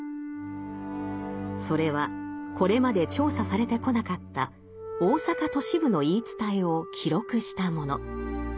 それはこれまで調査されてこなかった大阪都市部の言い伝えを記録したもの。